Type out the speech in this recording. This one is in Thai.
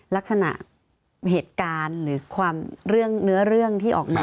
ลักษณะเหตุการณ์หรือความเรื่องเนื้อเรื่องที่ออกมา